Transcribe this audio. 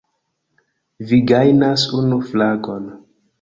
Vi gajnas unu fragon!